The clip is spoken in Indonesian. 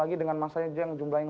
jadi di mana kadangan sudah datang kim